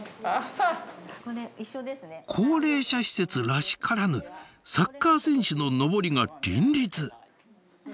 高齢者施設らしからぬサッカー選手ののぼりが林立。